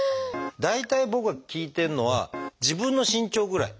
大体僕が聞いてるのは自分の身長ぐらい。